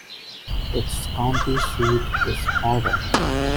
Its county seat is Paulding.